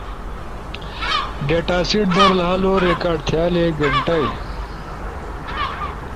ڈیتاسیٹ در لالو ریکارڈ تھیالے گینٹائی